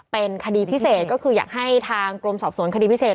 เป็นคดีพิเศษก็คืออยากให้ทางกรมสอบสวนคดีพิเศษ